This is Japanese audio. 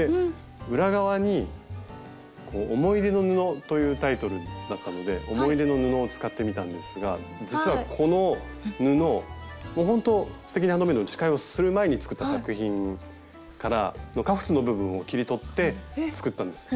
裏側に思い出の布というタイトルだったので思い出の布を使ってみたんですが実はこの布ほんと「すてきにハンドメイド」の司会する前に作った作品からカフスの部分を切り取って作ったんです。